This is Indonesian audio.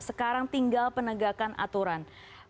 sekarang tinggal penegakan aturan